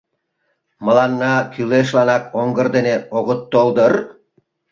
Мыланна кӱлешланак оҥгыр дене огыт тол дыр?